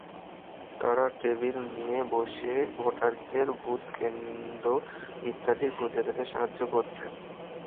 তারা টেবিল নিয়ে বসে ভোটারদের বুথ-কেন্দ্র ইত্যাদি খুঁজে পেতে সাহায্য করছে।